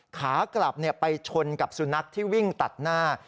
ขากลับไปชนกับสุนัขที่วิ่งตัดหน้า